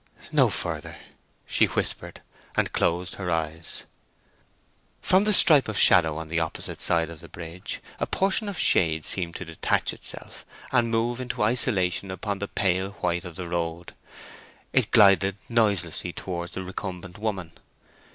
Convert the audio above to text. "No further!" she whispered, and closed her eyes. From the stripe of shadow on the opposite side of the bridge a portion of shade seemed to detach itself and move into isolation upon the pale white of the road. It glided noiselessly towards the recumbent woman.